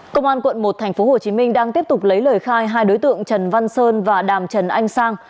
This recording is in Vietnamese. công an quận một tp hcm đang tiếp tục lấy lời khai hai đối tượng trần văn sơn và đàm trần anh sang